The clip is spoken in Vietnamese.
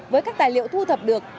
với các tài liệu thu thập được